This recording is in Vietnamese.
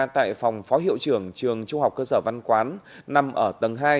tại phòng phó hiệu trưởng trường trung học cơ sở văn quán nằm ở tầng hai